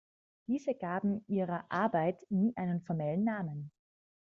Diese gaben ihrer ‚Arbeit‘ nie einen formellen Namen.